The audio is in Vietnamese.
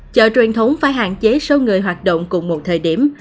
chợ truyền thống phải hạn chế số người hoạt động cùng một thời điểm